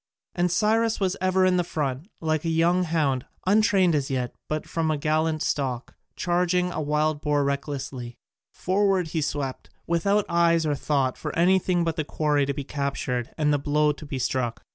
And Cyrus was ever in the front, like a young hound, untrained as yet but bred from a gallant stock, charging a wild boar recklessly; forward he swept, without eyes or thought for anything but the quarry to be captured and the blow to be struck.